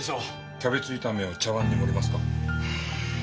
キャベツ炒めを茶碗に盛りますか？